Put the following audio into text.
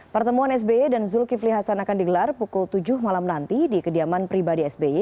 pertemuan sby dan zulkifli hasan akan digelar pukul tujuh malam nanti di kediaman pribadi sby